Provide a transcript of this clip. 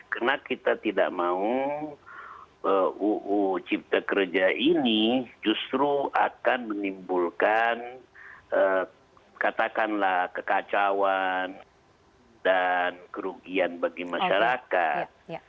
karena kita tidak mau uu cipta kerja ini justru akan menimbulkan katakanlah kekacauan dan kerugian bagi masyarakat